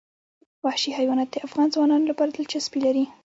وحشي حیوانات د افغان ځوانانو لپاره دلچسپي لري.